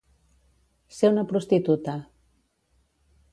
Ser una prostituta.